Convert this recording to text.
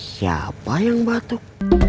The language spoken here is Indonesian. siapa yang batuk